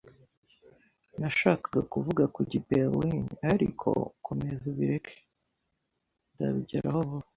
Nashakaga kuvuga kujya i Berlin, ariko komeza ubireke, I´ll nzabigeraho vuba.